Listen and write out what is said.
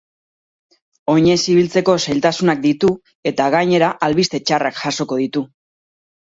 Oinez ibiltzeko zailtasunak ditu eta gainera, albiste txarrak jasoko ditu.